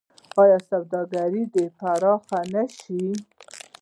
آیا سوداګري دې پراخه نشي؟